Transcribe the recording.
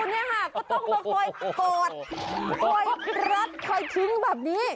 โคยรัดคล้ายทิ้งแบบนี้